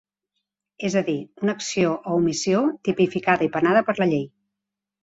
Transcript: És a dir, una acció o omissió tipificada i penada per la llei.